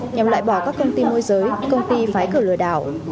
nhằm loại bỏ các công ty môi giới công ty phái cử lừa đảo